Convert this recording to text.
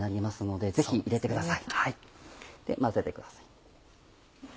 で混ぜてください。